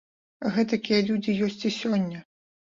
Гэтакія людзі ёсць і сёння.